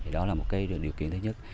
đó là một điều kiện thứ nhất